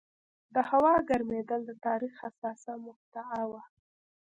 د هوا ګرمېدل د تاریخ حساسه مقطعه وه.